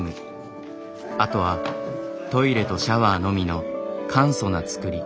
あとはトイレとシャワーのみの簡素な造り。